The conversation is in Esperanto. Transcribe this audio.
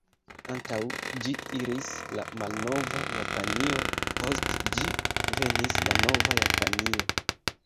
Antaŭ ĝi iris la malnova Japanio; post ĝi venis la nova Japanio.